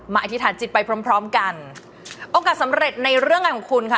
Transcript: อธิษฐานจิตไปพร้อมพร้อมกันโอกาสสำเร็จในเรื่องงานของคุณค่ะ